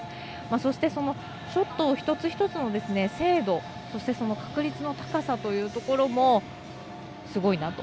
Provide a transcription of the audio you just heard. そして、ショット一つ一つの精度そして確率の高さというところもすごいなと。